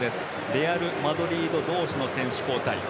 レアルマドリード同士の選手交代。